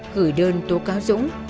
gửi đơn tố cáo dũng